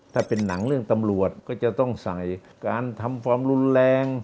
ถ้าเป็นหนังเรื่องตำรวจก็จะต้องใส่การทำฟอร์มรุนแรง